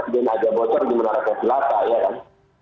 dan ada bocor di menara kebelakang ya kan